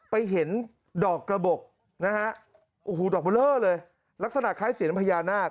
ไปเห็นดอกกระบบนะฮะโอ้โหดอกเบลอเลยลักษณะคล้ายเสียญพญานาค